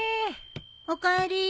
おかえり。